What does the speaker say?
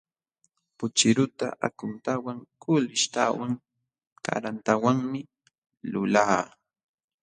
Puchiruta akhuntawan, kuulishtawan, karantawanmi lulaa.